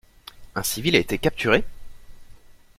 Un civil a été capturé?!